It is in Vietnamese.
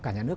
cả nhà nước